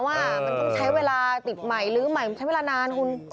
มันต้องใช้เวลาติดใหม่ลื้อใหม่มันใช้เวลานานคุณ